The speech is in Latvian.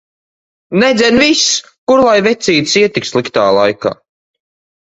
Nedzen vis! Kur lai vecītis iet tik sliktā laika.